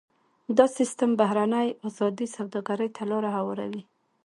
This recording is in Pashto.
دا سیستم بهرنۍ ازادې سوداګرۍ ته لار هواروي.